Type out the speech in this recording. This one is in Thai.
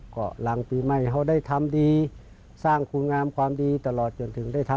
ความเข้าทางทุนในชีวิต